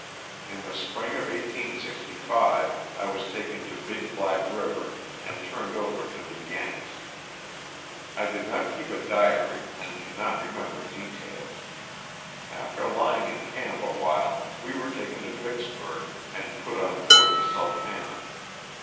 In the spring of 1865 I was taken to Big Black river and turned over to the "Yanks.'* I did not keep a diary and cannot remember details. After lying in camp awhile we were taken to Vicks burg and put on board the '^Sultana.'